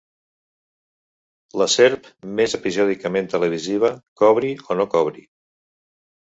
La serp més episòdicament televisiva, cobri o no cobri.